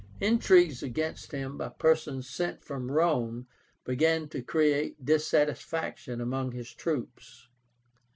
Intrigues against him by persons sent from Rome began to create dissatisfaction among his troops.